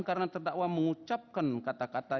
karena terdakwa mengucapkan kata kata